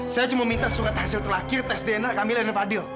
saya cuma minta surat hasil terakhir tes dna kamil dan fadil